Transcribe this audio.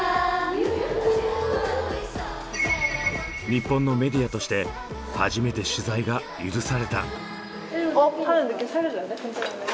日本のメディアとして初めて取材が許された。